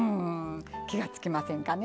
気が付きませんかね？